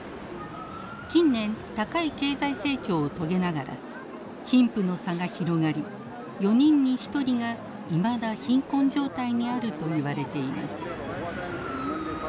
近年高い経済成長を遂げながら貧富の差が広がり４人に１人がいまだ貧困状態にあるといわれています。